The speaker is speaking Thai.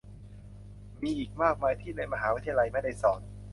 มีอีกมากมายที่ในมหาวิทยาลัยไม่ได้สอน